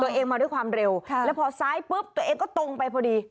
ตัวเองมาด้วยความเร็วแล้วพอซ้ายปุ๊บตัวเองก็ตรงไปพอดี